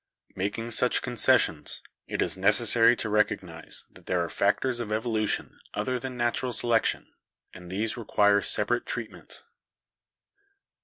Making such concessions, it is necessary to recognise that there are factors of evolution other than natural selection, and these require separate treatment.